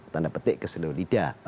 tanda petik keseluruh lidah